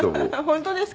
本当ですか？